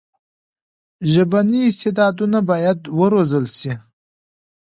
ژبني استعدادونه باید وروزل سي.